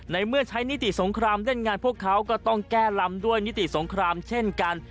เมื่อใช้นิติสงครามเล่นงานพวกเขาก็ต้องแก้ลำด้วยนิติสงครามเช่นกัน